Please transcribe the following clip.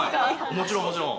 もちろんもちろん。